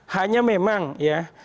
hanya memang ya